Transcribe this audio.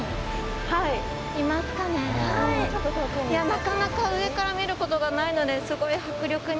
なかなか上から見ることがないのですごい迫力に。